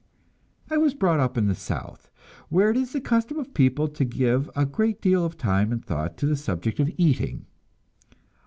I was brought up in the South, where it is the custom of people to give a great deal of time and thought to the subject of eating.